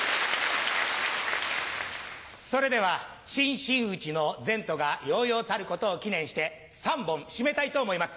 それでは新真打の前途が洋々たることを祈念して三本締めたいと思います。